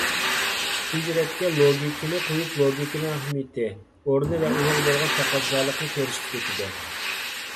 ئىككىنچى رەتكە لوگىكىنى قويۇپ، لوگىكىنىڭ ئەھمىيىتى، ئورنى ۋە ئۇنىڭغا بولغان تەقەززالىقنى كۆرسىتىپ ئۆتىدۇ.